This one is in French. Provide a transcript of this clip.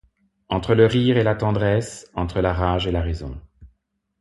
Entre le rire et la tendresse, entre la rage et la raison.